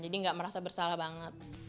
jadi gak merasa bersalah banget